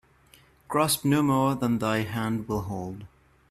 Grasp no more than thy hand will hold.